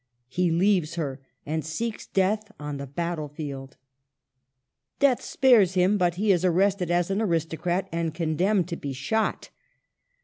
He leaves her, and seeks death on the battle field. Death spares him, but he is arrested as an aristocrat and condemned to be shot.